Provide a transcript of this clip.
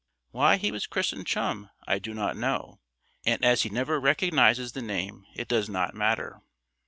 Why he was christened Chum I do not know; and as he never recognises the name it does not matter.